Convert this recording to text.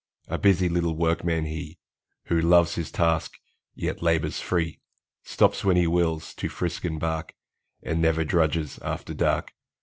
A busy little workman he, Who loves his task, yet labors free, Stops when he wills, to frisk and bark, And never drudges after dark!